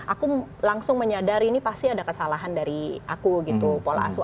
aku langsung menyadari ini pasti ada kesalahan dari aku gitu pola asuh